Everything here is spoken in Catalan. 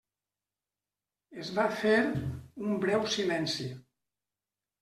Es va fer un breu silenci.